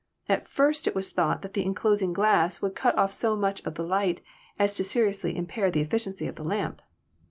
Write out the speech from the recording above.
At first it was thought that the enclosing glass would cut of! so much of the light as to seriously impair the efficiency of the lamp.